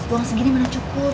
uang segini mana cukup